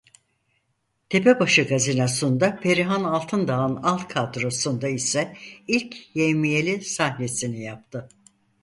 Tepebaşı Gazinosu'nda Perihan Altındağ'ın alt kadrosunda ise ilk yevmiyeli sahnesini yaptı.